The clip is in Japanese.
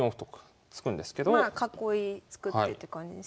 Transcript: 囲い作ってって感じですかね。